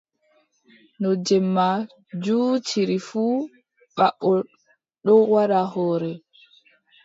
No jemma juutiri fuu, baɓɓol ɗon wadda hoore.